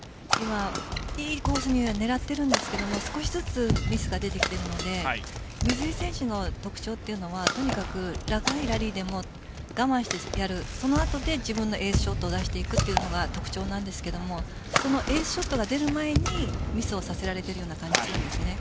いいコースには狙っているんですが少しずつミスが出てきているので水井選手の特徴というのはとにかく長いラリーでも我慢してやるその後で自分のエースショットを出していくというのが特徴なんですがそのエースショットが出る前にミスをさせられているような感じがするんです。